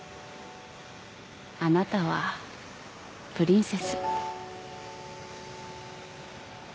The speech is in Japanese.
あなたはプリンセス。